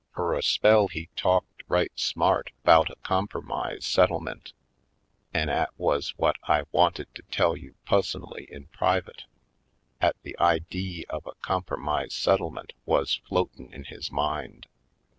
Fur a spell he tawked right smart 'bout a compermise settlemint an' 'at wuz whut I wanted to tell you pussonally in privit — 'at the idee of a compermise settle mint wuz floatin' in his mind.